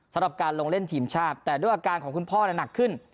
สำหรับการลงเล่นทีมชาติแต่ด้วยอาการของคุณพ่อหนักขึ้น